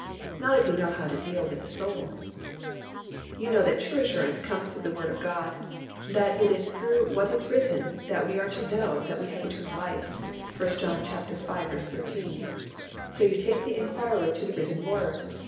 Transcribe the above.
Not if you know how to deal with a soul. You know that true assurance comes through the Word of God, that it is through what is "written" that we are to know that we have eternal life (1 John v. 13). So you take the inquirer to the written Word.